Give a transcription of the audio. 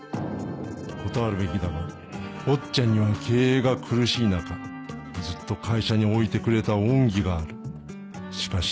断るべきだが坊ちゃんには経営が苦しい中ずっと会社に置いてくれた恩義があるしかし